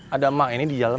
ada mak ini di dalam